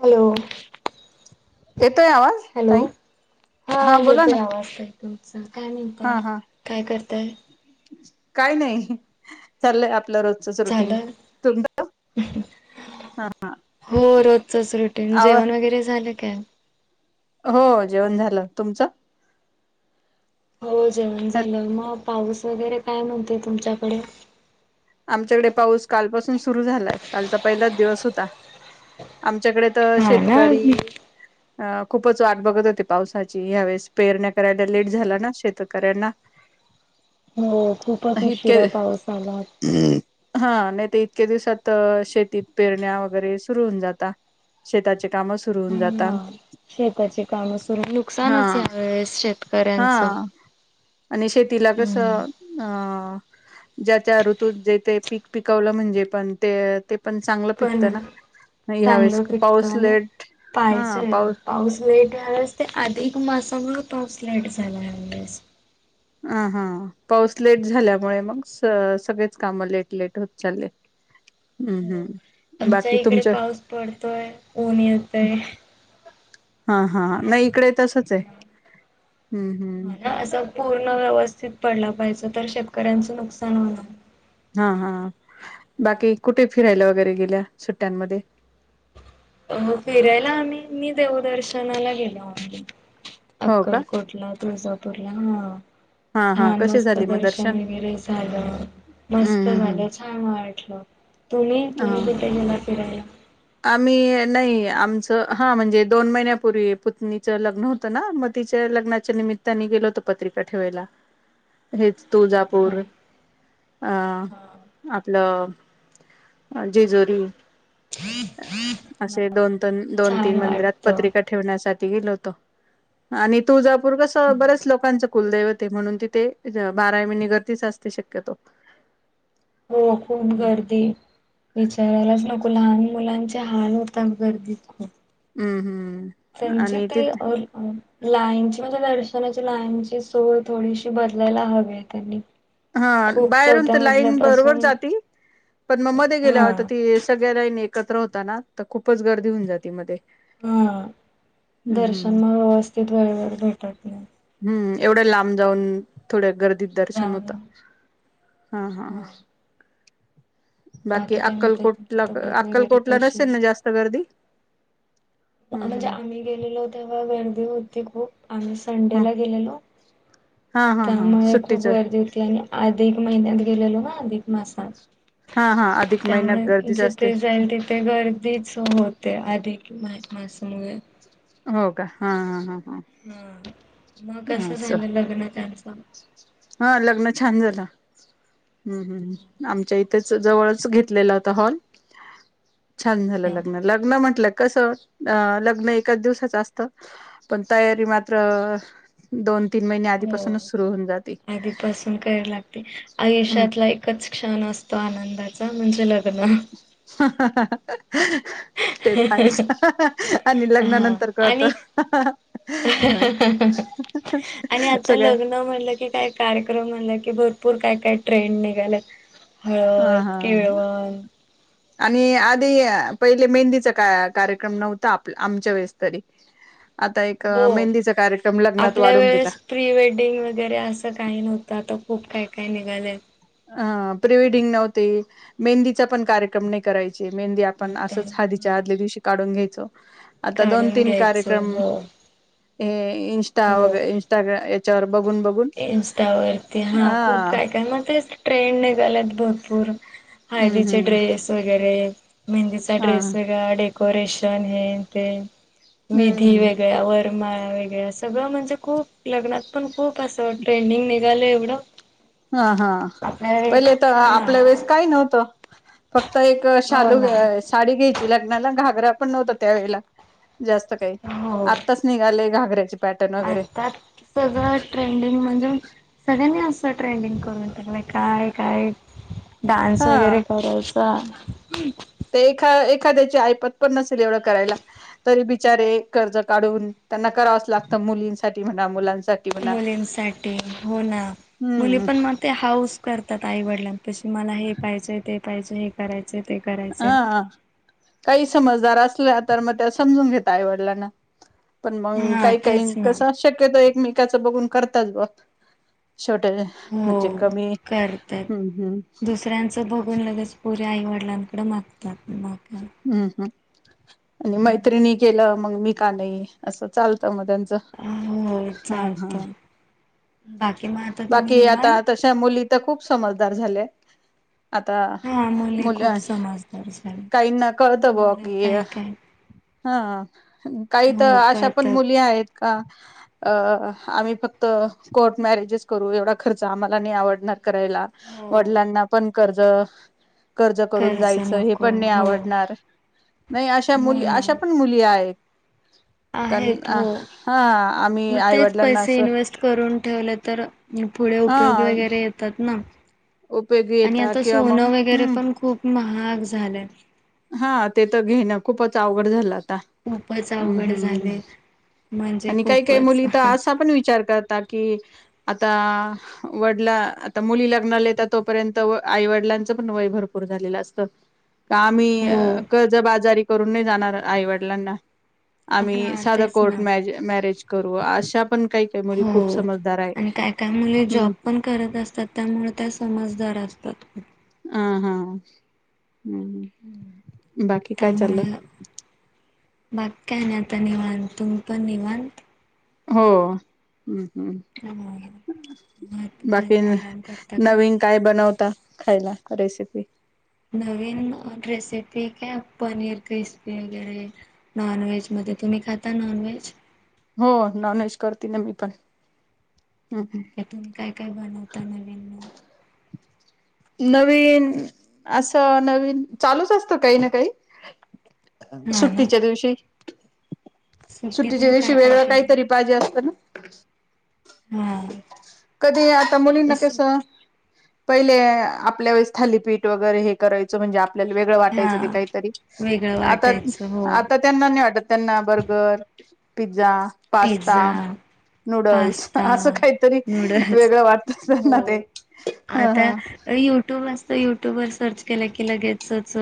Hello. येतोय आवाज hello ताई हा बोला ना येतोय आवाज आता. काय म्हणतय हा हा काय करताय. काय नाही चाललंय आपलं रोजचच रुटीन झालं? तुम्ही. हो रोजचच रुटीन आवा जेवण वगैरे झालं काय. हो जेवण झालं तुमचं. हो जेवण झालं मग पाऊस वगैरे काय म्हणतेय तुमच्याकडे. आमच्याकडे पाऊस कालपासून सुरू झालाय कालचा पहिलाच दिवस होता. आमच्याकडे तर हा ना शेतकरी अ खूपच वाट बघत होती पावसाची या्यावेेळेस पेरण्या करायला लेट झाला ना शेतकऱ्यांना. हो खूपच इतके उशिरा पाऊस आला. हा नाही तर इतक्या दिवसात शेतीत पेरण्या वगैरे सुरु होऊन जाता. शेताचे काम सुरू होऊन हा जातात. शेताची कामं सुरू हा नुकसानच यावेळेस हा शेतकऱ्यांचं. आणि शेतीला कस अ हम्म. ज्या त्या ऋतू जे ते पीक पिकवलं म्हणजे पण ते ते पण चांगलं पिकतं ना. पण ह्या वेळेस चांगलं पिकत पाऊस आणि लेट हा पाहिजेय पाऊस लेट झालाच ते आधी तुम्हाला सांगू पाऊस लेट झालाय अंदाज. ह हां पाऊस लेट झाल्यामुळे मग. सगळेच काम लेट लेट होत चाललेत. हो आमचा इकडे पाऊस पडतोय ऊन येतय. हा हा नाही इकडे तसच आहे हम्म हा हम्म. ना असं पूर्ण व्यवस्थित पडला पाहिजे तर शेतकऱ्यांचं नुकसान होणार. हा हा बाकी कुठे फिरायला वगैरे गेल्या सुट्ट्यांमध्ये अ फिरायला आम्ही म देवदर्शनाला गेलो. हो का अक्कलकोटला तुळजापूरला हा. हा हा छान कशी मस्त झाली मग दर्शन वगैरे झालं हम्म मस्त हम्म हम्म झालं छान वाट तुम्ही हा तुम्ही कुठ गेला फिरायला आम्ही नाही आमचं हा म्हणजे दोन महिन्यापूर्वी पुत्नीच लग्न होतं ना म ती च्या निमितता गेल होत पत्रिका ठेवायला तुळजापूर अं हा. आपलं जेजुरी असे दोन दोन तीन छान मंदिरात वाटतं. पत्रिका ठेवण्यासाठी गेलो होतो आणि तुळजापूर कस बर्याच लोकांच कुलदैवते म्हणून तिथे बारावी निगरतीच अस शक्यतो [inaudible] हो खूप हम्म गर्दी विचारायलाच नको लहान मुलांचे हाल होतात गर्दीत खूप हम् हम् संचितय अल अल लाईनची म्हणजे दर्शनाची लाईनची सोय थोडीशी बदलायला हवी आहे त्यांनी हा खूप बाहेरून चौथ्या तर लाईन बरोबर मजल्यापासून जातील पण मग मध्ये हा गेल्यावरता ती सगळ्या लाईन एकत्र होता ना तर खूपच गर्दी होऊन जाती मध्ये हा हम्म दर्शन हम्म मग व्यवस्थित वेळेवर भेटत नाही हम्म एवढं लांब जाऊन थोड्या गर्दीत दर्शन जाऊन होत हा हा बाकी काय म्हणताय तुमची अक्कलकोटला तब्येत वगैरे अक्कलकोटला कशी? नसेल ना जास्त गर्दी हम्म म्हणजे हम्म आम्ही गेलेलो तेव्हा गर्दी होती खूप आम्ही संडेला गेलेलो हा हा हा त्यामुळे खूप सुट्टीच गर्दी होती आणि आ धिक महिन्यात गेलेलो ना अधिक मासात हा हा अधिक महिन्यात त्यामुळे गर्दीच असते जिथे जाईल तिथे गर्दीच होते आधी क मासामुळे हो का हा हां हां हम् मग कस झालं लग्नत्यांच हा लग्न छान झालं हम्म हम् आमच्या इ थेचं जवळचं घेतलेलाता हाॅल छान झाल अच्छा लग्न म्हठल त कसं अ लग्न एकाच दिवसाचं असत पण तयारी मात्र दोन तीन महिने आधीपासून हो आधीपासून कराय लागते आयुष्यातला एकच क्षण असतो तो आनंदाचा म्हणजे लग ह हाहाहा हं ह् तेच आहेच हहा हा हा आणि हा लग्नानंतर कळत आणि हहाहा आणि आता लग्न म्हणलं की काय कार्यक्रम की भरपूर काय काय ट्रेंड निघाले ह हळद हा केळवण आणि आधी पहिले मेहंदीचा का कार्यक्रम नव्हता आप आमच्या वेळेस तरी एक हो मेंदीचा कार्य आपल्या वेळेस प्री वेडिंग वगैरे असं काही नव्हतं आता खूप काय काय निघाले अ प्रीवेडिंग नव्हती मेहंदीचा पण कार्यक्रम नाही करायचा मेंदी आपण असंच हधीच्या आदल्या दिवशी काढून घ्या आता दोन काढून तीन घ्यायचो कार्यक्रम हो हे इंस्टा व इस्टाग्रा इं्स्टावरती हा खूप काय काय मग ते ट्रेंड निघालात भरपूर हम्म हळदीचे हम्म ड्रेस वगैरे हा मेहंदीचा ्रेस वा डे डेकोरेशन हे ते विधी हम्म वेगळ्यावर माळ वगैर सगळं म्हणजे खूप लग्नात पण खूप असं ट्रेंडिंग निघालं एवढं हा हा आपल्या पहिले तर आपल्या वेळेस हा काही नव्हतं फक्त आता एक हो शालू ना साडी घ्यायची लग्नाला घागरा पण नव्हता त्यावेेळेला जास्त काही हो. आत्ताच निघाले घागर आता सगळं ट्रेंडिंग म्हणजे सगळ्यांनी अस. ट्रेंडिंग करून टाकलाय काय काय? डान्स हा वगैरे करायचा. ते एखा एखाद्याची आईपत पण नसेल एवढं करायला तरी बिचारे कर्ज काढून त्यांना करावच लागत. मुलींसाठी म्हणा मुलां मुलींसाठी हो ना मुली हम्म पण मग ते हाऊस करतात आईवडिलां कशी मला हे पाहियंय ते पाहियचं हे करायचं. हा काही समजदार अस. तर मग त्या समजून घेईवडिलांना पण मग हा काही काही तेच ना कस शक्यतो एक म बघून करताात बघ. हो करतात हम्म हम्म दुसऱ्यांचं बघून लगेच प आई वडिलांकडे मागतात माग हम्म हम्. आणि मैत्रिणी केलं मग मी का नाही असं चालतं म हो चालत बाकी म बाकी आता तशा मुली तर खूप समजदार झाल्या. आता हा मुली मुलं खूप समजदार झाली काहींना कळत ब की ह. हा काही तर अशा पण मुली आहेत. का अ आम्ही फक्त कोर्ट मॅरेजेस करू एवढा खर्च आम्हाला नाही आवडणार. कराय हो वडलांना पण कर्ज कर्ज करून जायचं हे नको पण नाही हो आवडणार. नाही अशा हो मुली ना अशा पण मुली आहेत. कन आहेत अ हो हा. आम्ही मग तेच आईवडिलांना पैसे असं इन्व्हेस्ट करून ठेवले तर पुढे उपयोगी हा वगैरे येतात ना. उपयोगी आणि येता आता किंवा मग सोनं वगैरे हम्म पण खूप महाग झालंय. हा ते तर घेणं खूपच अवघड झालं आता खूपच हम्म अवघड हम्मम्. झाले म्हणजे आणि काही काही खूपच मुली तर असा पण विचार करत कि आता वडला आता मुली लग्नालाता तोपर्यंत आई वडिलांचं पण वय भरपूर झा असत का आम्ही हो कर्जबाजारी करून नाही जाणार आईवडिलांना आम्ही हा साध तेच ना कोर्ट मॅरेज करू अशा पण काही काही मुली हो खूप समजदार आहे आणि काय काय मुले जॉब हम्म पण करत असतात त्यामुळे त्या समजदार असतात ख हा हा हम् बाकी काय चाललं. बाग काय नाही आता निवांत तुम पण निवांत. हो. हम् हम् हम्म. मग बाकी घरी आराम करता नवीन काय बनवत खायला रेसिपी. नवीन रेसिपी काय पनीर क्रिस्पी वगैरे नॉनव्हेज म तुम्ही खाता नॉनव्हेज? हो नॉनव्हेज करते ना मी पण. हम्म तुम्ही काय काय बनवता नवीन? नवीन असं नवीन चालूच असतं काही ना काही. हा ना सुट्टीच्या दिवशी. सुट्टीत सुट्टीच्या मग दिवशी काय काय वेगळं केलं? काहीतरी पाहिजे असतं ना. हा. कधी आता मुलींना कस असं पहिले आपल्या वेळेस थालीपीठ वगैरे हे करायचो म्हणजे आपल्याला वेगळं हा वाटायचं ते काहीतरी वेगळं आता वाटायचं हो. आता त्यांना नाही वाटत त्यांना burger pizza pasta pizza, noodles pasta, असं काहीतरी नूडल्स वेगळं वाटतं तसं त्यांना हो. ते हा आता हा युट्यूब वर सर्च केलं की लगेचच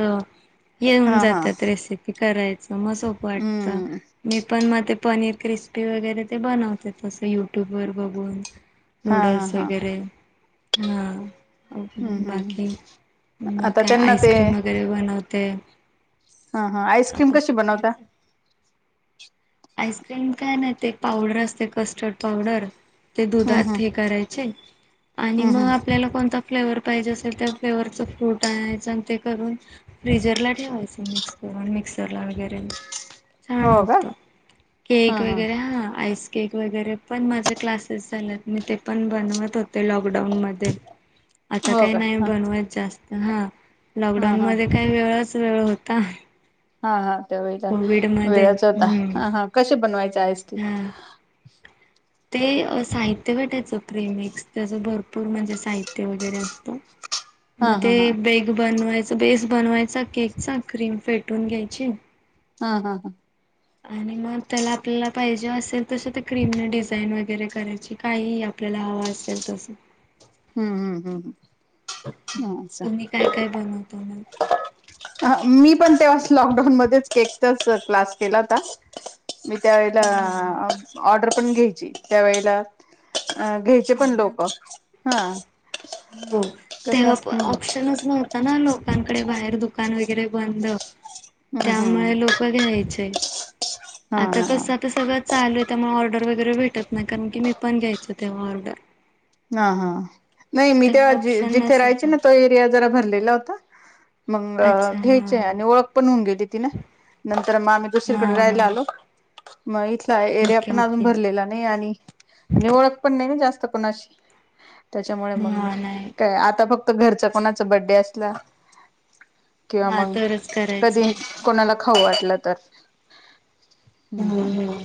येऊन हा हा जातात रेसिपी करायचं. मग सोपं वाटतं हम्म मी पण मध्ये पनीर क्रिस्प पी वगैरे ते बनवते तं युट्यूब वर बघून हा हा नूडल्स हा वगैरे हा हम्म हम्म बाकी म आता काय त्यांना ते आईस्क्रीम वगैरे बनवत ते हा हा आईस्क्रीम कशी बनवता? आईस्क्रीम काय नाही ते एक पावडर असते कस्टर्ड पावडर ते हम्म दुधात हम्म हे करायचे आणि हम्म मग हम्म आपल्याला कोणता फ्लेवर पाहिजे असेल त्या फ्लेवर च फ्रूट आणायचं आणि ते करून फ्रीजर ला ठेवायचं. मिक्सरला वगैरे छान हो का होत केक वैगरे हा. आईस केक वगैरे पण माझे क्लासेस झालेत मी ते पण बनवत होते लॉकडाऊन मध्ये आता हो काही का नाही हा बनवत जास्त हा. हा लॉकडाऊन हा मध्ये काही वेळच वेळ होता. हा हा. त्या वळेला कोविड मध्ये वेळाच होता हम्म हा कशी बनवायचं आईस्क्रीम हा ते साहित्य भेटायचं प्रेमिक्स त्याचं भरपूर म्हणजे साहित्य वगैरे असतं हा मग हा ते हा बेग बनवायच बेस बनवायचा केकचा क्रीम फेटून घ्यायची हा हा हा. आणि मग त्याला आपल्याला पाहिजे असेल तसं ते क्रीमने डिझाईन वगैरे करायची काही आप आपल्याला हवं असेल तसं हम्म हम्म हम्म. तुम्ही काय काय बनवता मग? ह मी पण तेव्हा लॉकडाऊनमध्येच केकचाच क्लास केला होता. मी हम्म हम्म त्यावेेळेला हम्म. ऑर्डर पण घ्यायची त्यावेळेला अ घ्यायचे पण हा ना लोक हा हो कसं तेव्हा पण हम्म ऑप्शनच नव्हता ना लोक लोकांकडे बाहेर दुकान वगैरे बंद हम्म त्यामुळे हम्म लोक घ्यायचे हा आता हा कसं आता सगळं चालू आहे त्यामुळे ऑर्डर वगैरे भेटतनाही कारण की मी पण घ्यायचं तेव्हा ऑर्डर. हा हा नाही मी तेव्हा ऑप्शन जिथे राहायचे नसायचा ना तो एरिया जरा भरलेला होता. मग अ अच्छा घ्यायचेय हा. आणि ओळख पण होऊन गेली ती ना तर मग आम्ही हा दुसरीकडे हा राहायला आलो मग इ एरिया ओके पण अजून ओके भरलेला नाही आणि आणि ओळख पण नाही ना जास्त कोणाशी त्याच्यामुळे मग हा नाही काय आता फक्त घरचा कोणाचा बडे असला किंवा हा मग तरच कधी करायचं कोणाला खाऊ वाटलं तर हम्म हो हम्म हा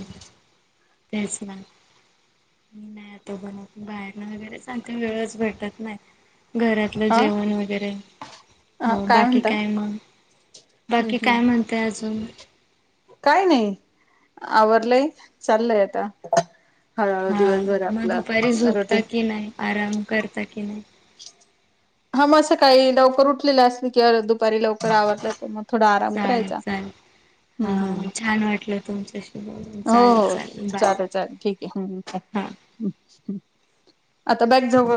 तेच ना नाही आता बाहेर ना वगैरे सांगते वेळच भेटत नाही. घरातलं जेवण अ वगैरे हो बाकी काय मग हम्म बाकी हम्म काय म्हणतय अजून? काय नाही आवरलंय चाललंय आता हळूहळू हा दिवसभर मग आपला दुपारी झोपता रोटीन कि नाही आराम करता की नाही? हा मग सकाळी लवकर उठलेलं असतं की दुपारी लवकर आवरता. मग थोडा आराम चालेल करायचा. चालेल हम्म हम्म हा छान वाटलं तुमच्याशी बोलून हो चालेल हो बाय चालेल चालेल ठीक आहे हा हम्म. आता बॅग जवळ